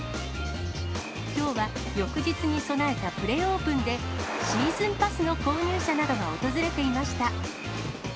きょうは翌日に備えたプレオープンでシーズンパスの購入者などが訪れていました。